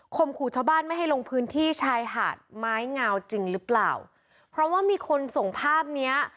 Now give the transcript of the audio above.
ขู่ชาวบ้านไม่ให้ลงพื้นที่ชายหาดไม้งาวจริงหรือเปล่าเพราะว่ามีคนส่งภาพเนี้ย